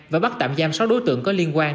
và bắt tạm giam sáu đối tượng có liên quan